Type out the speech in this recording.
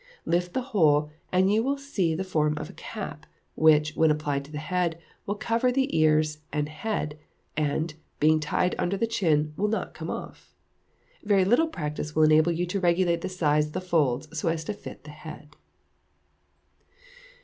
Lift the whole, and you will see the form of a cap, which, when applied to the head, will cover the head and ears, and, being tied under the chin, will not come off. Very little practice will enable you to regulate the size of the folds so as to fit the head.